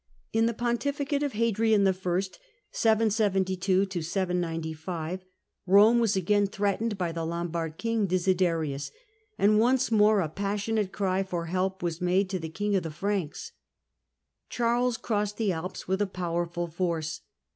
In the pontificate of Hadrian I. (772 795) Rome was again threatened by the Lombard king, Desiderius ; and once more a passionate cry for help was made to the king of the Pranks. Charles crossed the Alps with a powerful force.